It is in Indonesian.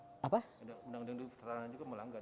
undang undang kesetaraan juga melanggar